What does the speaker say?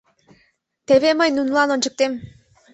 Теве мый нунылан ончыктем!